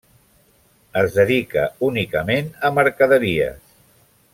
Es dedica únicament a mercaderies.